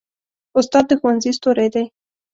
استاد د ښوونځي ستوری دی.